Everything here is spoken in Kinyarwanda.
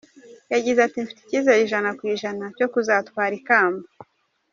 Yagize ati: “Mfite icyizere ijana ku ijana cyo kuzatwara ikamba.